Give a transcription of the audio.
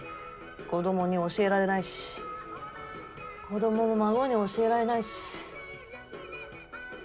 子供に教えられないし子供も孫に教えられないし。